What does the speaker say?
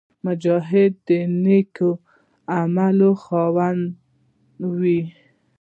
مجاهد د نېک عملونو خاوند وي.